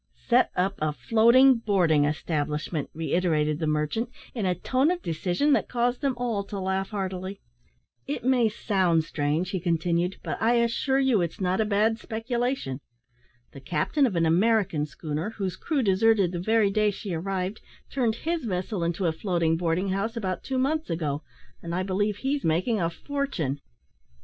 "Set up a floating boarding establishment," reiterated the merchant, in a tone of decision that caused them all to laugh heartily. "It may sound strange," he continued, "but I assure you it's not a bad speculation. The captain of an American schooner, whose crew deserted the very day she arrived, turned his vessel into a floating boarding house, about two months ago, and I believe he's making a fortune."